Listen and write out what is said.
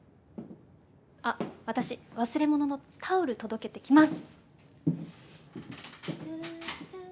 あっ私忘れ物のタオル届けてきます！